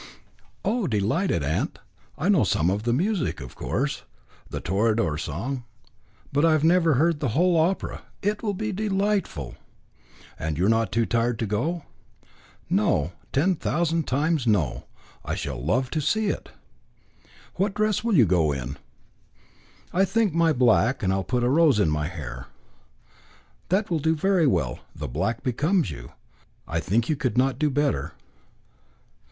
"Oh, delighted, aunt. I know some of the music of course, the Toreador song; but I have never heard the whole opera. It will be delightful." "And you are not too tired to go?" "No ten thousand times, no I shall love to see it." "What dress will you go in?" "I think my black, and put a rose in my hair." "That will do very well. The black becomes you. I think you could not do better."